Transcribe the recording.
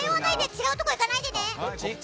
違うところに行かないでね！